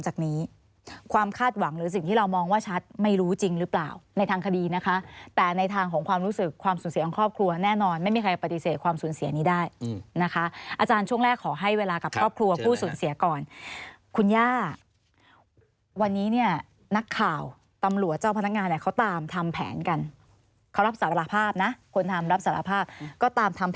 จากนี้ความคาดหวังหรือสิ่งที่เรามองว่าชัดไม่รู้จริงหรือเปล่าในทางคดีนะคะแต่ในทางของความรู้สึกความสูญเสียของครอบครัวแน่นอนไม่มีใครปฏิเสธความสูญเสียนี้ได้นะคะอาจารย์ช่วงแรกขอให้เวลากับครอบครัวผู้สูญเสียก่อนคุณย่าวันนี้เนี่ยนักข่าวตำรวจเจ้าพนักงานเนี่ยเขาตามทำแผนกันเขารับสารภาพนะคนทำรับสารภาพก็ตามทำ